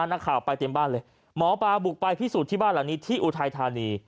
นักข่าวไปเต็มบ้านเลยหมอปลาบุกไปพิสูจน์ที่บ้านหลังนี้ที่อุทัยธานี